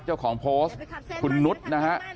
เจ้าของโพสต์คุณนุษย์นะฮะ